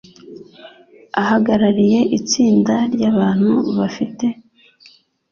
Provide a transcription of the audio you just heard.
Ahagarariye itsinda ry’abantu bafite